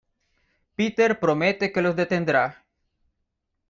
Peter promete que los detendrá.